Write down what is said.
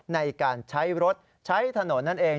ในการใช้รถใช้ถนนนั่นเอง